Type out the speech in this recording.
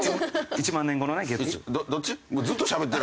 １万年後のねゲッツ。